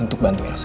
untuk bantu ilesa